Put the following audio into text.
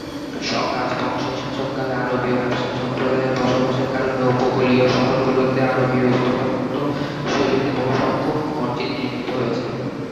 Song রাজবংশের শাসনকালে আরবীয় ব্যবসায়ী সম্প্রদায়ের বসবাসের কারণে উপকূলীয় শহরগুলিতে আরবীয় স্থাপত্য শৈলীতে বহু সংখ্যক মসজিদ নির্মিত হয়েছে।